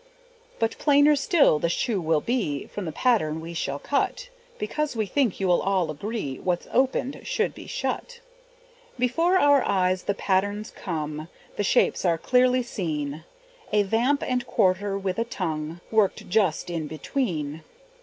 But plainer still the shoe will be From the pattern we shall cut, Because we think you'll all agree What's opened should be shut. Before our eyes the patterns come, The shapes are clearly seen, A vamp and quarter, with a tongue, Worked just in between.